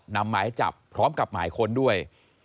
หมายจับพร้อมกับหมายค้นด้วย